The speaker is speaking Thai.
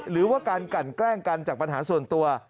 หรือว่าการกันแกล้งกันจากปัญหาส่วนตัว